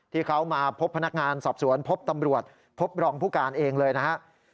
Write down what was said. ที่เขามาพบพนักงานสอบสวนพบตำรวจพบรองผู้การเองเลยนะครับ